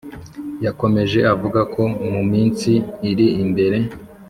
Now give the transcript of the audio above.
Yakomeje avuga ko mu minsi iri imbere